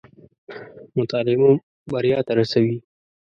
مطالعه مو بريا ته راسوي